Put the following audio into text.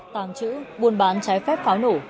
tàng trữ buôn bán trái phép pháo nổ